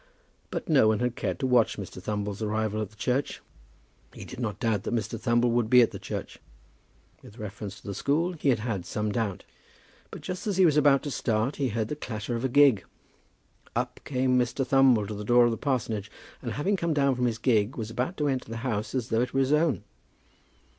But no one had cared to watch Mr. Thumble's arrival at the church. He did not doubt that Mr. Thumble would be at the church. With reference to the school, he had had some doubt. But just as he was about to start he heard the clatter of a gig. Up came Mr. Thumble to the door of the parsonage, and having come down from his gig was about to enter the house as though it were his own.